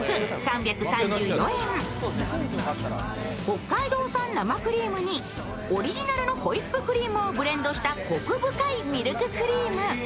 北海道産生クリームにオリジナルのホイップクリームをブレンドしたコク深いミルククリーム。